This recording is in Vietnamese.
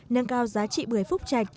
nâng cao giá trị bưởi phúc trạch